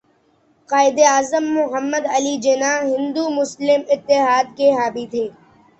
قائداعظم محمد علی جناح ہندو مسلم اتحاد کے حامی تھے